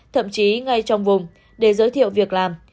thậm chí ngay trong vùng để giới thiệu việc làm